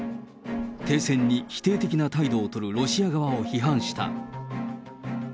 停戦に否定的な態度を取るロシア側を批判した。